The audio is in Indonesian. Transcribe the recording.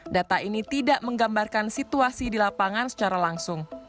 data ini tidak menggambarkan situasi di lapangan secara langsung